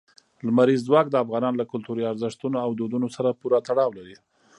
لمریز ځواک د افغانانو له کلتوري ارزښتونو او دودونو سره پوره تړاو لري.